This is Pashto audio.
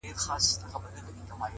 گوره په ما باندي ده څومره خپه ـ